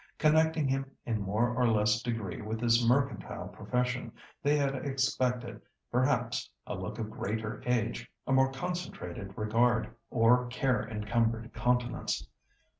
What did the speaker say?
Connecting him in more or less degree with his mercantile profession, they had expected perhaps a look of greater age, a more concentrated regard, or care encumbered countenance.